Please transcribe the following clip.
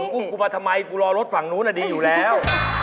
มึงอุ้มกูมาทำไมรอรถฝั่งนู้นอาจได้อยู่แล้ว